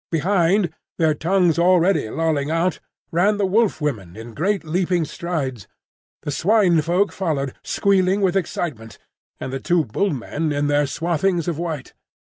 Behind, their tongues already lolling out, ran the Wolf women in great leaping strides. The Swine folk followed, squealing with excitement, and the two Bull men in their swathings of white.